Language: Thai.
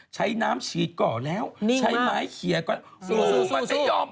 ใช้น้ำฉีดก่อนแล้วใช้ไม้เขียก่อน